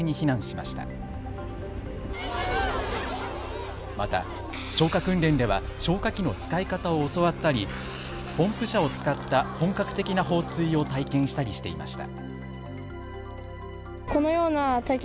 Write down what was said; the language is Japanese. また、消火訓練では消火器の使い方を教わったりポンプ車を使った本格的な放水を体験したりしていました。